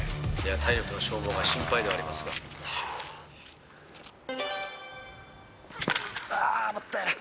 体力の消耗が心配ではありまああ、もったいない。